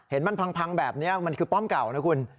เห็นมันพังแบบนี้มันคือป้อมเก่านะคุณ